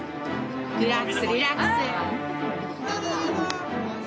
リラックスリラックス。